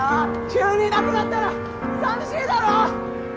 急にいなくなったら寂しいだろ！